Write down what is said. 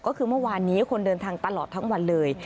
ก็คือเมื่อวานนี้คนเดินทางตลอดทั้งวันเลย